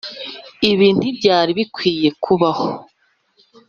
ibi ntibyari bikwiye kubaho.